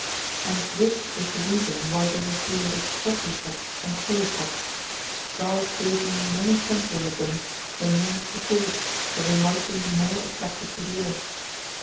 And this was the reason why they were created quadrupeds and polypods: God gave the more senseless of them the more support that they might be more attracted to the earth.